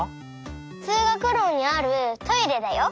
つうがくろにあるトイレだよ。